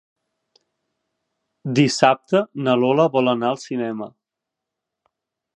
Dissabte na Lola vol anar al cinema.